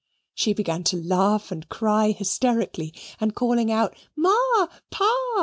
She began to laugh and cry hysterically, and calling out "Ma, Pa!"